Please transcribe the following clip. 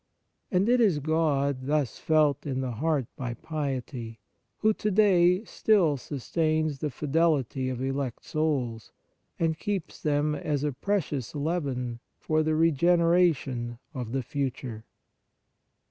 And it is God, thus felt in the heart by piety, who to day still sustains the fidelity of elect souls, and keeps them as a precious leaven for the regeneration of the future.